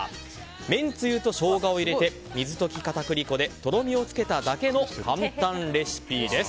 めんつゆとショウガを入れて水溶き片栗粉でとろみをつけただけの簡単レシピです。